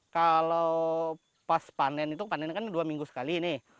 kalau pas panen itu panennya kan dua minggu sekali nih